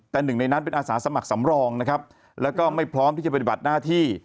แต่หนึ่งในนั้นเป็นอาสาสมัครสำรองนะครับแล้วก็ไม่พร้อมที่จะปฏิบัติหน้าที่